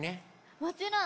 もちろん！